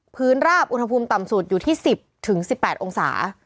ราบอุณหภูมิต่ำสุดอยู่ที่๑๐๑๘องศา